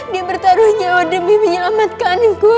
dia bertaruh nyawa demi menyelamatkanku